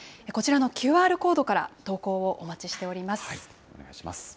こちらのＱＲコードから、投稿をお待ちしております。